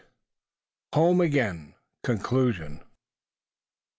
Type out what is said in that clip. HOME AGAIN CONCLUSION.